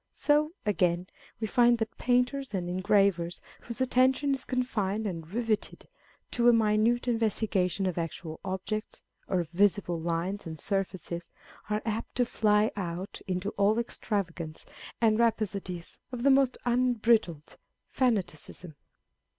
So, again, we find that painters and engravers, whose attention is confined and riveted to a minute investigation of actual objects, or of visible lines and surfaces, are apt to fly out into all extravagance and rhapsodies of the most unbridled fanaticism.